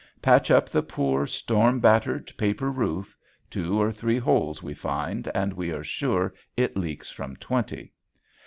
Patch up the poor, storm battered paper roof, two or three holes we find and we are sure it leaks from twenty.